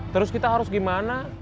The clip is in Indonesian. terus kita harus gimana